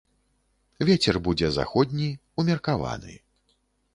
Вецер будзе заходні, умеркаваны.